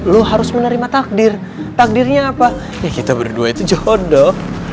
lu harus menerima takdir takdirnya apa ya kita berdua itu jodoh